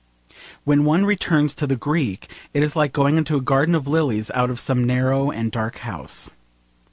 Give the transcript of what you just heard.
When one returns to the Greek; it is like going into a garden of lilies out of some, narrow and dark house.